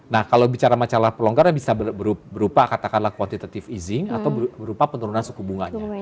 nah kalau bicara masalah pelonggaran bisa berupa katakanlah kuantitative easing atau berupa penurunan suku bunganya